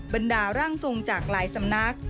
บรรดาร่างทรงจากหลายสำนัก